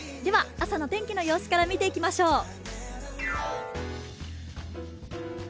朝の天気の様子から見ていきましょう。